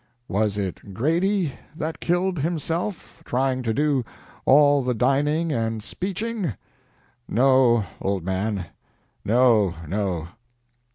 "Was it Grady that killed himself trying to do all the dining and speeching? No, old man, no, no!